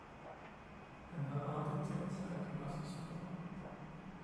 Han havde aldrig tænkt sig, at de var så små.